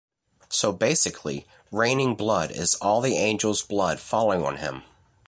So basically, 'Raining Blood' is all the angels' blood falling on him.